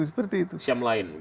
siap melayin gitu ya